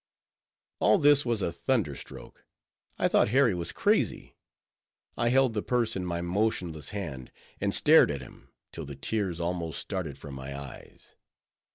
All this was a thunder stroke. I thought Harry was crazy. I held the purse in my motionless hand, and stared at him, till the tears almost started from my eyes.